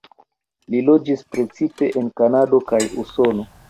Li loĝis precipe en Kanado kaj Usono.